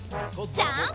ジャンプ！